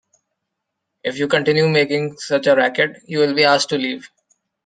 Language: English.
If you continue making such a racket, you will be asked to leave.